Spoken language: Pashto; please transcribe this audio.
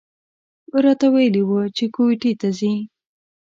راته ویلي و چې کویټې ته ځي.